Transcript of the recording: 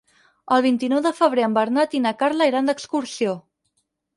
El vint-i-nou de febrer en Bernat i na Carla iran d'excursió.